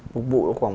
phục vụ khoảng